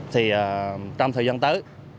thì trong thời gian tới